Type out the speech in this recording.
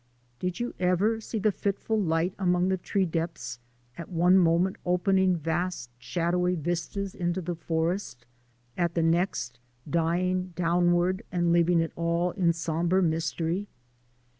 Did you ever see the fitful light among the tree depths, at one moment opening vast shadowy vistas into the forest, at the next dying downward and leaving it all in sombre mystery?